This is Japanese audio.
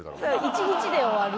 １日で終わる。